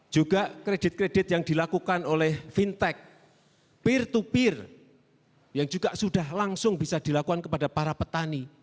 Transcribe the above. juga kredit kredit yang dilakukan oleh fintech peer to peer yang juga sudah langsung bisa dilakukan kepada para petani